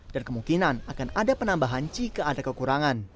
dan kemungkinan akan ada penambahan jika ada kekurangan